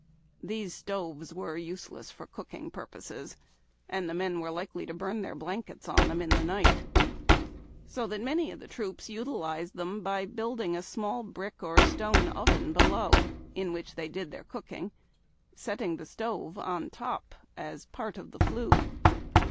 These stoves were useless for cooking pur poses, and the men were likely to burn their blankets on them in the night, so that many of the troops utilized tliem by building a small brick or stone oven below, in which they did their cooking, setting the stove on top as a part of the flue.